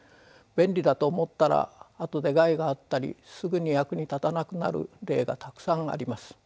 便利だと思ったらあとで害があったりすぐに役に立たなくなる例がたくさんあります。